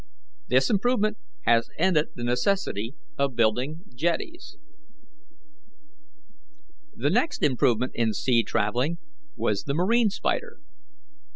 This improvement has ended the necessity of building jetties. "The next improvement in sea travelling was the 'marine spider.'